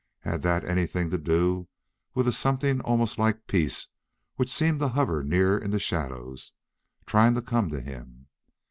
Had that anything to do with a something almost like peace which seemed to hover near in the shadows, trying to come to him?